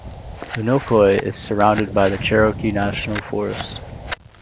Unicoi is surrounded by the Cherokee National Forest.